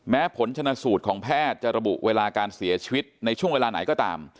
ผลชนะสูตรของแพทย์จะระบุเวลาการเสียชีวิตในช่วงเวลาไหนก็ตาม